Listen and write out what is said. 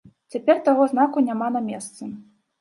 Цяпер таго знаку няма на месцы.